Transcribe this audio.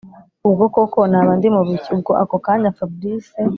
ubwo koko naba ndimubiki, ubwo ako kanya fabric